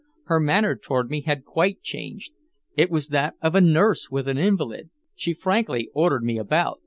Her manner toward me had quite changed. It was that of a nurse with an invalid, she frankly ordered me about.